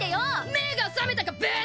目が覚めたかブス！